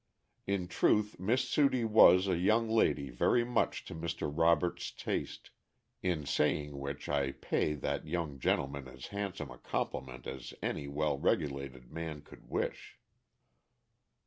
In truth Miss Sudie was a young lady very much to Mr. Robert's taste, in saying which I pay that young gentleman as handsome a compliment as any well regulated man could wish.